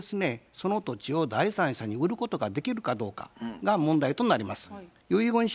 その土地を第三者に売ることができるかどうかが問題となります。